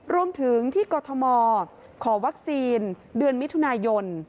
รวมถึงที่กรทมขอวัคซีนเดือนมิถุนายน